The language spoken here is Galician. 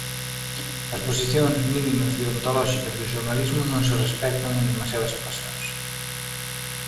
As posicións mínimas deontolóxicas do xornalismo non se respectan en demasiadas ocasións.